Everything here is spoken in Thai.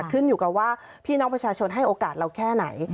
ขึ้นอยู่กับว่าพี่น้องประชาชนให้โอกาสเราแค่ไหน